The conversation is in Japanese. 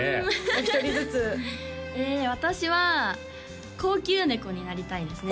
お一人ずつ私は高級猫になりたいですね